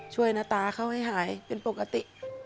หน้าตาเขาให้หายเป็นปกติ